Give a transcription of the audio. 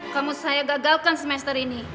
kamu saya gagalkan semester ini